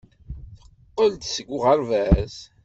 Teqqel-d seg uɣerbaz.